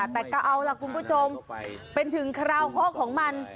แต่ก็เอาล่ะคุณผู้ชมเป็นถึงคราวเคาะของมัน